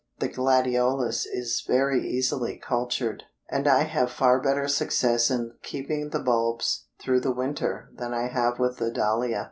The gladiolus is very easily cultured, and I have far better success in keeping the bulbs through the winter than I have with the dahlia.